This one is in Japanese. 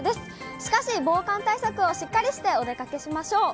しかし、防寒対策をしっかりしてお出かけしましょう。